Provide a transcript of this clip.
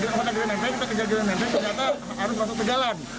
kesulitannya kita karena tadi kita kejar jalan jalan nempel ternyata harus masuk ke jalan